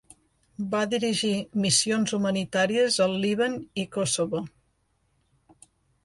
Va dirigir missions humanitàries al Líban i Kosovo.